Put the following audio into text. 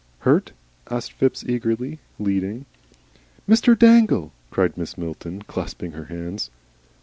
"Hurt?" asked Phipps, eagerly, leading. "Mr. Dangle!" cried Mrs. Milton, clasping her hands.